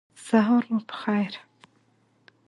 سهار مو پخیر